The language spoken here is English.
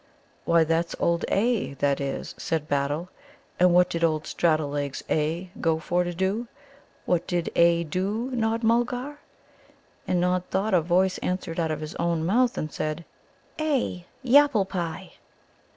"Why, that's old 'A,' that is," said Battle; "and what did old straddle legs 'A' go for to do? What did 'A' do, Nod Mulgar?" And Nod thought a voice answered out of his own mouth and said: "A ... Yapple pie."